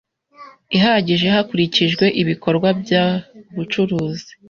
ihagije hakurikijwe ibikorwa by ubucuruzi